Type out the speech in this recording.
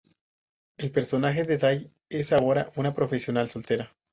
El personaje de Day es ahora una profesional soltera.